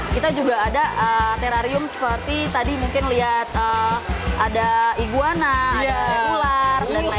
kita juga ada terarium seperti tadi mungkin lihat ada iguana ada ular dan lain lain